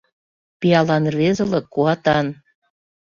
Пиалан рвезылык Куатан.